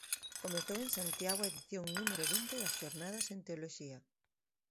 Comezou en Santiago a edición número vinte das Xornadas de Teoloxía.